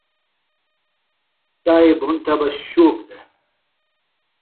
تائیۡ بھُن تھےۡ بہ شوک دےۡ